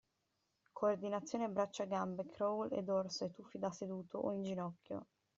Coordinazione braccia-gambe crawl e dorso e tuffi da seduto o in ginocchio.